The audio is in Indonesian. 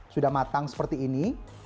sudah matang seperti ini